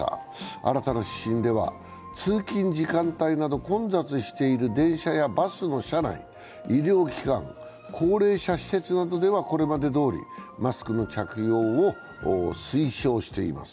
新たな指針では通勤時間帯など混雑している電車やバスの車内、医療機関・高齢者施設などではこれまでどおりマスクの着用を推奨しています。